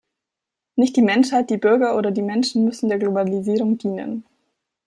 Nicht die Menschheit, die Bürger oder die Menschen müssen der Globalisierung dienen.